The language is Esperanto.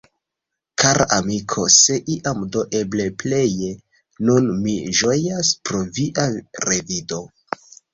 "Kara amiko, se iam, do eble pleje nun mi ĝojas pro via revido!